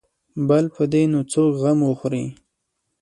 بل به دې نو څوک غم وخوري.